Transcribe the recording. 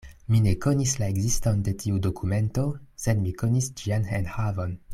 Mi ne konis la ekziston de tiu dokumento, sed mi konis ĝian enhavon.